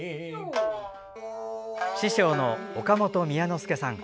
師匠の岡本宮之助さん。